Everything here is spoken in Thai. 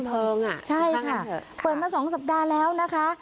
เปิดมา๒สัปดาห์แล้วนะคะ